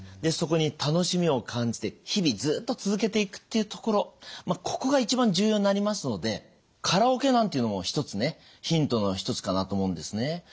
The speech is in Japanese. そこに楽しみを感じて日々ずっと続けていくっていうところここが一番重要になりますのでカラオケなんていうのもひとつねヒントの一つかなと思うんですね。